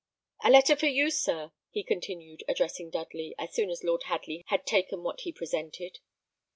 "A letter for you, sir," he continued, addressing Dudley, as soon as Lord Hadley had taken what he presented.